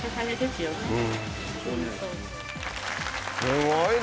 すごい。